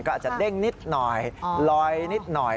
ก็อาจจะเด้งนิดหน่อยลอยนิดหน่อย